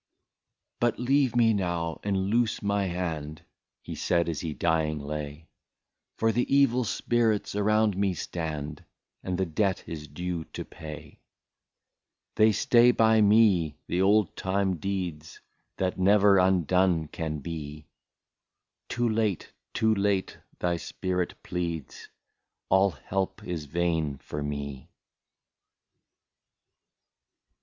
" But leave me now and loose my hand,'* He said, as he dying lay, " For the evil spirits around me stand, And the debt is due to pay. " They stay by me, the old time deeds, That never undone can be ; Too late, too late, thy spirit pleads,— All help is vain for me."